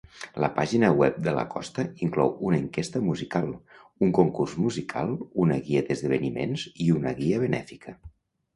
La pàgina web de la costa inclou una enquesta musical, un concurs musical, una guia d"esdeveniments i una guia benèfica.